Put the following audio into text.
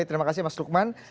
terima kasih mas lukman